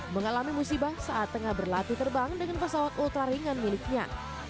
mengalami musibah saat tengah berlatih terbang dengan pesawat ultra ringan miliknya